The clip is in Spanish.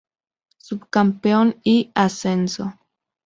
Subcampeón y ascenso.